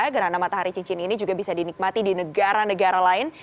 gerhana matahari cincin ini juga bisa dinikmati di negara negara lain